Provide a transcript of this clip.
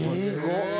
すごい！